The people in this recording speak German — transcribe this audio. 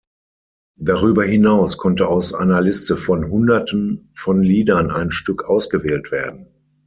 Darüber hinaus konnte aus einer Liste von Hunderten von Liedern ein Stück ausgewählt werden.